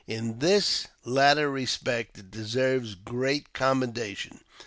In this latter respect it deserves great commendation.